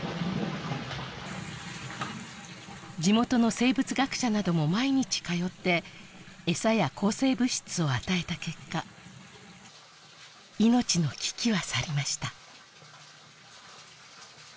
地元の生物学者なども毎日通ってエサや抗生物質を与えた結果命の危機は去りました